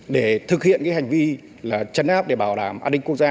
để thực hiện cái hành vi chấn áp để bảo đảm an ninh quốc gia